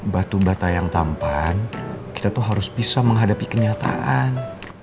batu bata yang tampan kita tuh harus bisa menghadapi kenyataan